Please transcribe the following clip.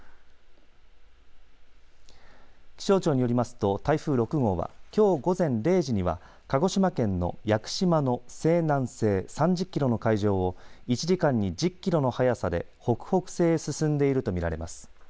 気象庁によりますと、台風６号はきょう午前０時には鹿児島県の屋久島の西南西３０キロの海上を１時間に１０キロの速さで北北西へ進んでいると見られます。